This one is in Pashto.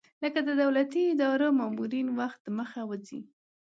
لکه د دولتي ادارو مامورین وخت دمخه وځي.